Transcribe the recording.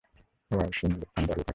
ওয়াহশী নিজ স্থানেই দাঁড়িয়ে থাকে।